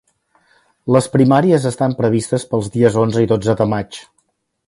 Les primàries estan previstes pels dies onze i dotze de maig.